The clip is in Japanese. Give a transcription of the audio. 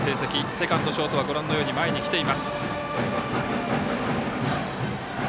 セカンド、ショートは前に来ています。